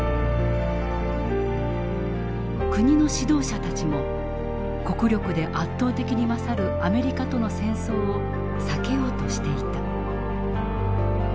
国の指導者たちも国力で圧倒的に勝るアメリカとの戦争を避けようとしていた。